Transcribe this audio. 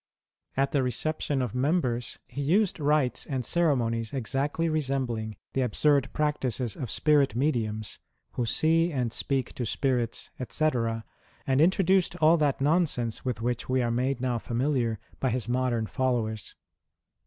At the reception of mem bers he used rites and ceremonies exactly resembling the absurd practices of spirit mediums, who see and speak to spirits, etc., and introduced all that nonsense with which we are made now familiar by his modern followers.